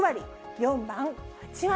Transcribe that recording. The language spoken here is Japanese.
４番、８割。